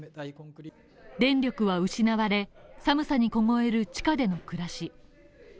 電力は失われ、寒さに凍える地下での暮らし。